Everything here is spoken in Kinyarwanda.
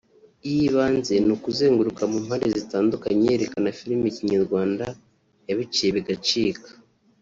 iy’ibanze ni ukuzenguruka mu mpande zitandukanye yerekana Film Kinyarwanda yabiciye bigacika